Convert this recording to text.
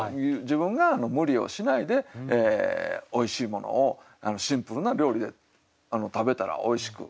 自分が無理をしないでおいしいものをシンプルな料理で食べたらおいしく。